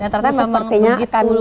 yang ternyata memang begitu dulu